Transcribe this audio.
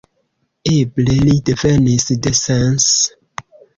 Eble li devenis de Sens.